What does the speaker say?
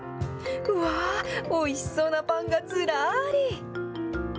うわー、おいしそうなパンがずらーり。